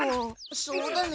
そうだね。